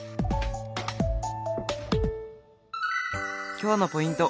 今日のポイント